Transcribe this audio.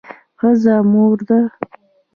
ښځه مور ده